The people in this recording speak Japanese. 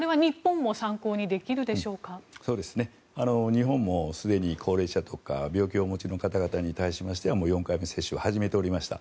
日本もすでに高齢者とか病気をお持ちの方々に対しては４回目接種を始めておりました。